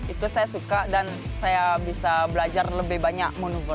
itu saya suka dan saya bisa belajar lebih banyak manuver